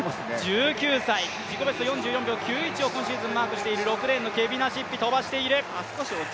１９歳、４４秒９１をマークしている６レーンのケビナシッピ、飛ばしている。